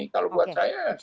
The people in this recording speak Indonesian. kalau buat saya sudah selesai